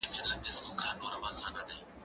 کېدای سي فکر ستونزي ولري،